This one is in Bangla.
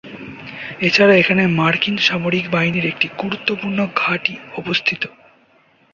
এছাড়া এখানে মার্কিন সামরিক বাহিনীর একটি গুরুত্বপূর্ণ ঘাঁটি অবস্থিত।